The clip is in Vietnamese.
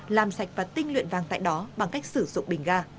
làm sạch và tinh luyện vàng tại đó bằng cách sử dụng bình ga